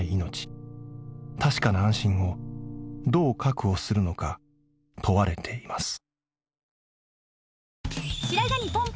確かな安心をどう確保するのか問われています。